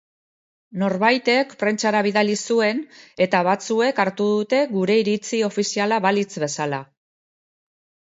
Norbaitek prentsara bidali zuen eta batzuek hartu dute gure iritzi ofiziala balitz bezala.